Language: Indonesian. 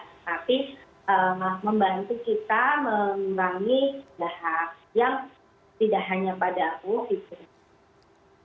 tetapi membantu kita mengembangin dahak yang tidak hanya pada aku ibu